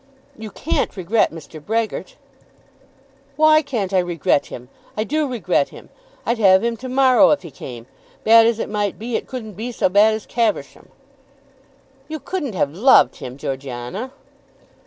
"You can't regret Mr. Brehgert!" "Why can't I regret him? I do regret him. I'd have him to morrow if he came. Bad as it might be, it couldn't be so bad as Caversham." "You couldn't have loved him, Georgiana."